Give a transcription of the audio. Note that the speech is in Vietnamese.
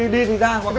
để tiền đâu